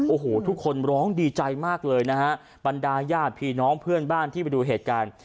โอ้โหทุกคนร้องดีใจมากเลยนะฮะบรรดาญาติพี่น้องเพื่อนบ้านที่ไปดูเหตุการณ์